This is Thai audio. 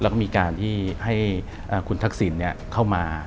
แล้วก็มีการที่ให้คุณทักษิณเข้ามา